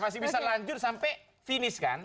masih bisa lanjut sampai finish kan